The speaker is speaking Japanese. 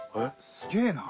すげえな。